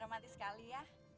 ramadhan sekali ya